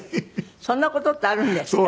そんな事ってあるんですか？